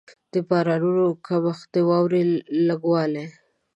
د بارانونو کمښت، د واورې لږ والی.